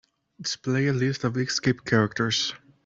Display a list of escape characters.